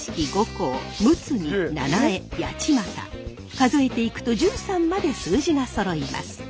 数えていくと十三まで数字がそろいます。